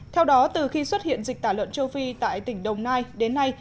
theo đó từ khi xuất hiện dịch tả lợn châu phi tại tỉnh đồng nai đến nay